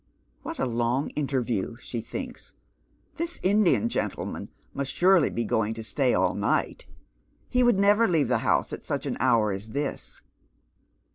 " What a long interview !" she thinks. " This Indian gentle man must surely be going to stay all night. He would never leave the house at such an hoiff as this."